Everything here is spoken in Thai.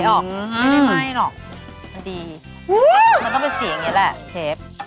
อือฮือไม่ได้ไหม้หรอกมันต้องเป็นสีอย่างเงี้ยแหละเชฟ